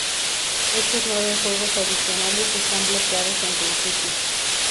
Estos nueve juegos adicionales están bloqueados en principio.